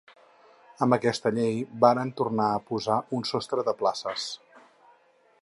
Amb aquesta llei vàrem tornar a posar un sostre de places.